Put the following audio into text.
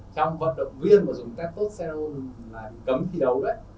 trong vận động viên mà dùng testosterone là bị cấm thi đấu đấy